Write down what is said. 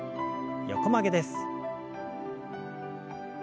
横曲げです。